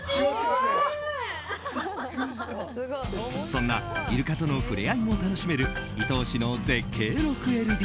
そんなイルカとの触れ合いも楽しめる、伊東市の絶景６ＬＤＫ。